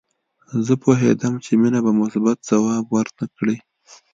زه پوهېدم چې مينه به مثبت ځواب ورنه کړي